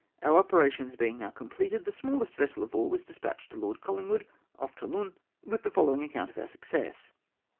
Our operations being now completed, the smaUest vessel of war was despatched to Lord Colhngwood, off Toulon, with the followhisr account of our success.